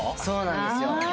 そうなんですよ。